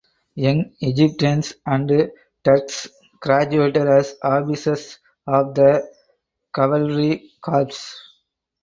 Young Egyptians and Turks graduated as officers of the Cavalry Corps.